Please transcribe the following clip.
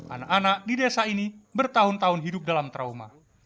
anak anak di desa ini bertahun tahun hidup dalam trauma